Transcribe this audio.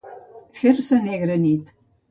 Fer-se negra nit.